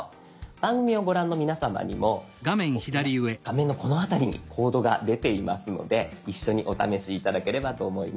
番組をご覧の皆さまにもこう今画面のこの辺りにコードが出ていますので一緒にお試し頂ければと思います。